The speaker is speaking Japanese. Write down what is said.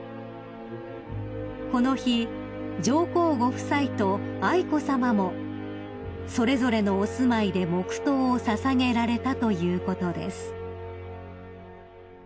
［この日上皇ご夫妻と愛子さまもそれぞれのお住まいで黙とうを捧げられたということです］